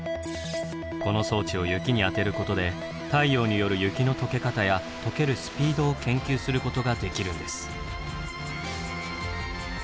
この装置を雪に当てることで太陽による雪の溶け方や溶けるスピードを研究することができるんです。